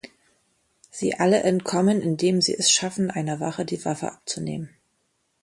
Sie alle entkommen, indem sie es schaffen, einer Wache die Waffe abzunehmen.